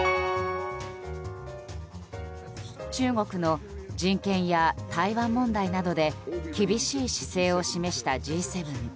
中国の人権や台湾問題などで厳しい姿勢を示したＧ７。